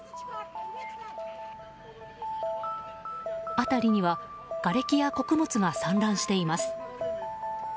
辺りにはがれきや穀物が散乱しています。